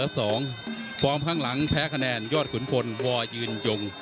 ฟอร์มข้างหลังแพ้คะแนนยอดขุนพลวอยืนยง